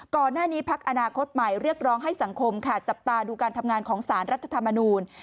ก่อนหน้านี้พักอนาคตใหม่เรียกร้องให้สังคมค่ะจับตาดูการทำงานของสารรัฐธรรมนูล